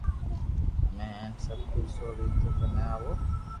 ھمي ھين سب ڪجھ سوڙين ٿو ڪني آوو